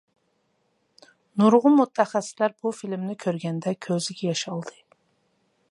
نۇرغۇن مۇتەخەسسىسلەر بۇ فىلىمنى كۆرگەندە كۆزىگە ياش ئالدى.